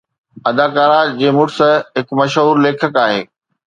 اداکارہ جي مڙس هڪ مشهور ليکڪ آهي